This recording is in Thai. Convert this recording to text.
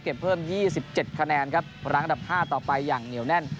เพิ่ม๒๗คะแนนครับรั่งอันดับ๕ต่อไปอย่างเหนียวแน่น